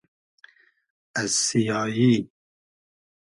از سیایی